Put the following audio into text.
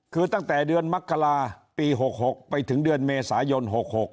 คือตั้งแต่เดือนมกราปี๖๖ไปถึงเดือนเมษายน๖๖